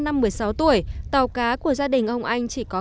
năm một mươi sáu tuổi tàu cá của gia đình ông anh chỉ có